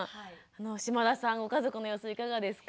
嶋田さんご家族の様子いかがですか？